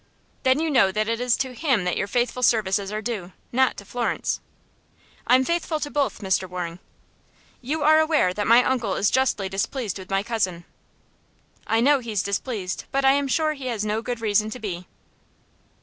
"Then you know that it is to him that your faithful services are due, not to Florence?" "I'm faithful to both, Mr. Waring." "You are aware that my uncle is justly displeased with my cousin?" "I know he's displeased, but I am sure he has no good reason to be."